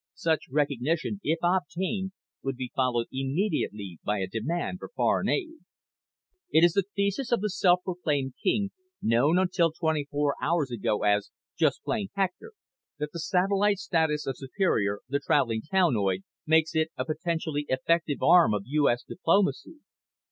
Such recognition, if obtained, would be followed immediately by a demand for "foreign aid." "'It is the thesis of the self proclaimed king known until 24 hours ago as just plain Hector that the satellite status of Superior, the traveling townoid, makes it a potentially effective arm of U. S. diplomacy.